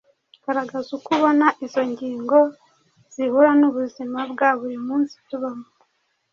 Garagaza uko ubona izo ngingo zihura n’ubuzima bwa buri munsi tubamo.